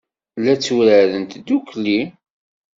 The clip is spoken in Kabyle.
La tturarent ddukkli.